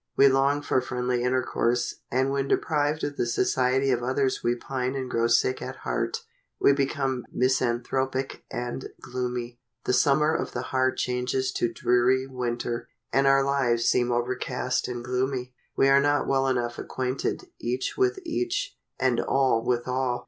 We long for friendly intercourse, and when deprived of the society of others we pine and grow sick at heart, we become misanthropic and gloomy. The Summer of the heart changes to dreary Winter, and our lives seem overcast and gloomy. We are not well enough acquainted each with each, and all with all.